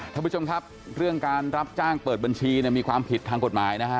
ท่านผู้ชมครับเรื่องการรับจ้างเปิดบัญชีเนี่ยมีความผิดทางกฎหมายนะฮะ